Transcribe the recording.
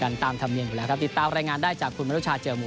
นักเทนนิส๔สาว